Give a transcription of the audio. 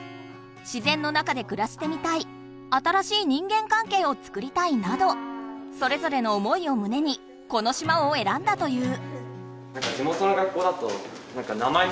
「自然の中でくらしてみたい」「新しい人間かんけいを作りたい」などそれぞれの思いをむねにこの島をえらんだという。